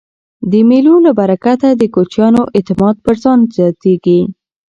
د مېلو له برکته د کوچنیانو اعتماد پر ځان زیاتېږي.